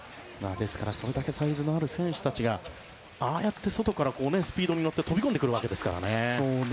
ですから、それだけサイズのある選手たちがああやって外からスピードに乗って飛び込んでくるわけですからね。